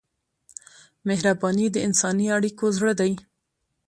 مهرباني د انساني اړیکو زړه دی.